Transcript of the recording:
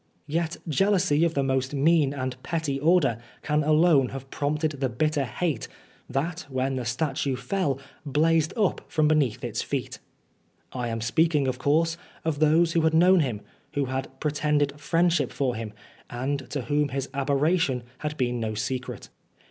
Yet, jealousy of the most mean and petty order can alone have prompted the bitter hate that when the statue fell blazed up from beneath its feet. I am speaking, of course, of those who had known him, who had pre tended friendship for him, and to whom his aberration had been no secret.